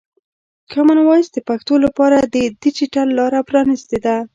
کامن وایس د پښتو لپاره د ډیجیټل لاره پرانستې ده.